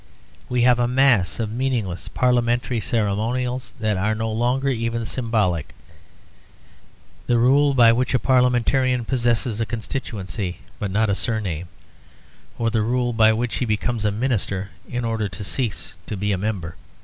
We have a mass of meaningless parliamentary ceremonials that are no longer even symbolic; the rule by which a parliamentarian possesses a constituency but not a surname; or the rule by which he becomes a minister in order to cease to be a member.